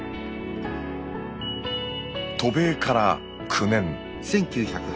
渡米から９年。